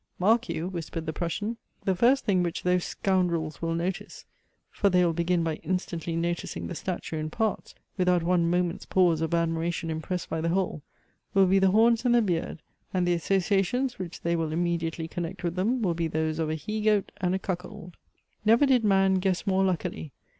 "Mark you," whispered the Prussian, "the first thing which those scoundrels will notice (for they will begin by instantly noticing the statue in parts, without one moment's pause of admiration impressed by the whole) will be the horns and the beard. And the associations, which they will immediately connect with them will be those of a he goat and a cuckold." Never did man guess more luckily.